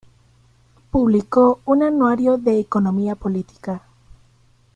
Publicó un "Anuario de economía política".